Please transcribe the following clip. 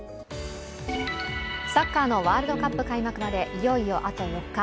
サッカーのワールドカップ開幕までいよいよあと４日。